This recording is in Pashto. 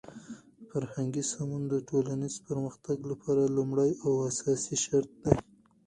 فرهنګي سمون د ټولنیز پرمختګ لپاره لومړنی او اساسی شرط دی.